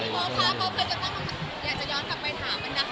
มีโบราคาเขาเคยจะต้องอยากจะย้อนกลับไปถามกันดังของสาธารณะโปรไหมคะ